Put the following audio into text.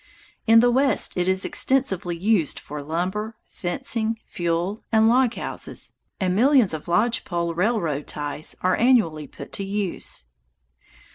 In the West it is extensively used for lumber, fencing, fuel, and log houses, and millions of lodge pole railroad ties are annually put to use.